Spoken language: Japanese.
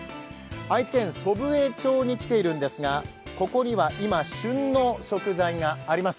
愛知県祖父江町に来ているんですがここには今、旬の食材があります。